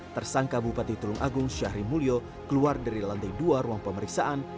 tersangka bupati tulung agung syahri mulyo keluar dari lantai dua ruang pemeriksaan